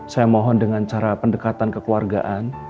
saya mohon dengan cara pendekatan kekeluargaan